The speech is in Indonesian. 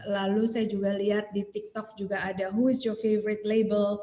lalu saya juga lihat di tiktok juga ada siapa label favorit anda